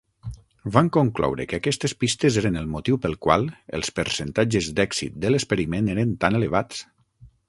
Van concloure que aquestes pistes eren el motiu pel qual els percentatges d'èxit de l'experiment eren tan elevats.